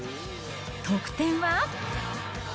得点は？